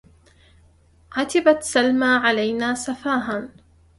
عتبت سلمى علينا سفاها